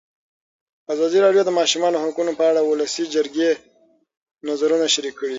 ازادي راډیو د د ماشومانو حقونه په اړه د ولسي جرګې نظرونه شریک کړي.